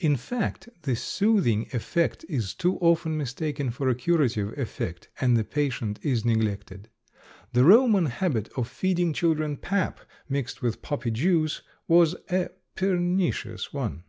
In fact, the soothing effect is too often mistaken for a curative effect and the patient is neglected. The Roman habit of feeding children pap mixed with poppy juice was a pernicious one.